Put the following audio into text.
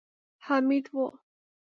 حميد و.